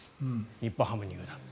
日本ハム入団。